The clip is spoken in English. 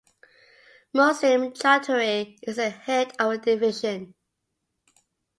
Muslim Chowdhury is the head of the division.